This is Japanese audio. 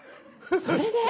それで！